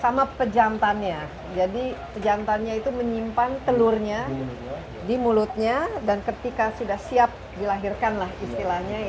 sama pejantannya jadi pejantannya itu menyimpan telurnya di mulutnya dan ketika sudah siap dilahirkan lah istilahnya